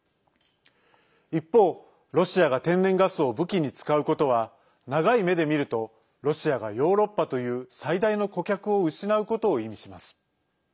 一方、ロシアが天然ガスを武器に使うことは長い目で見るとロシアがヨーロッパという最大の顧客を失うことを意味します。